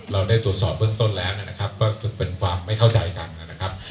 เราได้ตรวจสอบเบื้องต้นแล้วนะครับก็เป็นความไม่เข้าใจกันนะครับ